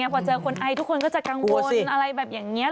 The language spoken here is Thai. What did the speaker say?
พอเจอคนไอทุกคนก็จะกังวลอะไรแบบอย่างนี้